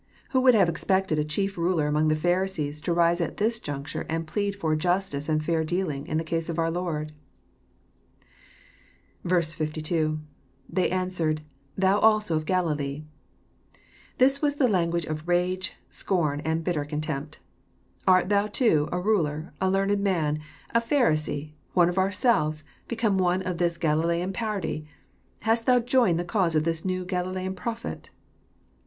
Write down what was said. Who would have expected a chief ruler among the Pharisees to rise at this juncture and plead for justice and fair dealing in tjie case of our Lord ? 62. — IThey answered. „tkou also of Galilee f] This was the lan guage of rage, scorn, and bitter contempt. <' Art thou too, a ruler, a learned man, a Pharisee, one of ourselves, become one of this Galilean party? Hast thou joined the cause of this new Galilean prophet?